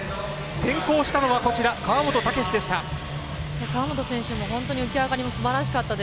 先行したのは川本武史でした。